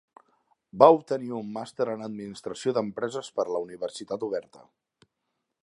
Va obtenir un màster en administració d'empreses per la Universitat Oberta.